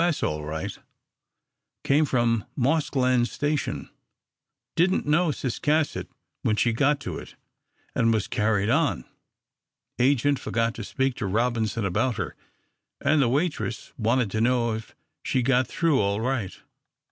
S. all right. Came from Moss Glen station, didn't know Ciscasset when she got to it, and was carried on. Agent forgot to speak to Robinson about her, and the waitress wanted to know if she got through all right."